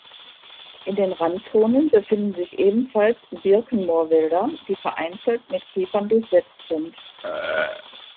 In den Randzonen befinden sich ebenfalls Birken-Moorwälder, die vereinzelt mit Kiefern durchsetzt sind.